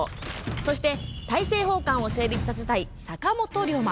そして、大政奉還を成立させたい坂本龍馬。